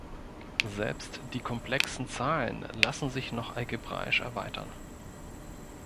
Selbst die komplexen Zahlen lassen sich noch algebraisch erweitern.